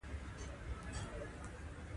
د خدای کارونه ګوره!